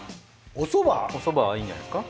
おそばはいいんじゃないですか？